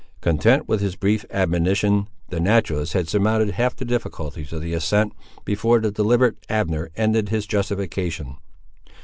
Content with his brief admonition, the naturalist had surmounted half the difficulties of the ascent before the deliberate Abner ended his justification.